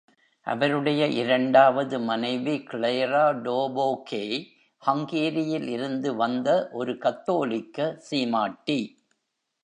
அவருடைய இரண்டாவது மனைவி Clara Dobokai ஹங்கேரியில் இருந்து வந்த ஒரு கத்தோலிக்க சீமாட்டி